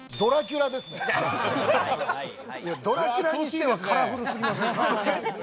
ドラキュラにしてはカラフルすぎる。